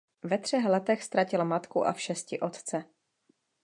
Ve třech letech ztratil matku a v šesti otce.